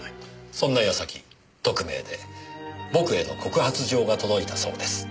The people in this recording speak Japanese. そんな矢先匿名で僕への告発状が届いたそうです。